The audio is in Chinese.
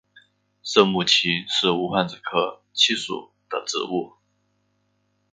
色木槭是无患子科槭属的植物。